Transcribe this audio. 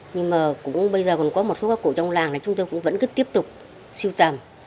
nhưng mà cũng bây giờ còn có một số các cổ trong làng này chúng tôi cũng vẫn cứ tiếp tục siêu tầm